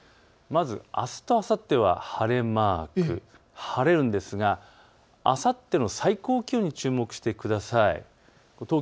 まずあすとあさっては晴れマーク、晴れるんですが、あさっての最高気温、注目してください。